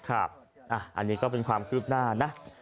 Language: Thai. ครับอ่ะอันนี้ก็เป็นความคืบหน้านะ